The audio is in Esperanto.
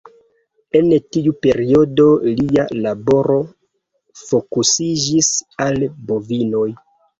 En tiu periodo lia laboro fokusiĝis al bovinoj.